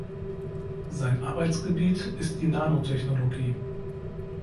Sein Arbeitsgebiet ist die Nanotechnologie.